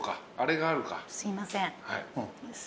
すいません。